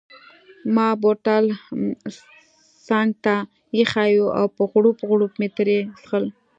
ما بوتل څنګته ایښی وو او په غوړپ غوړپ مې ترې څیښل.